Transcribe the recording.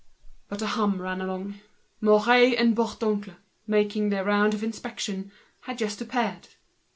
But a hum ran along: Mouret and Bourdoncle, making their round of inspection, had just appeared.